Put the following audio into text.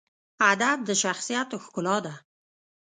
ادب د شخصیت ښکلا ده.